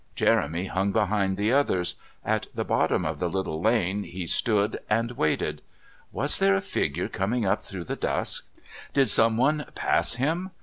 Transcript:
Jeremy hung behind the others. At the bottom of the little lane he stood and waited. Was there a figure coming up through the dusk? Did someone pass him?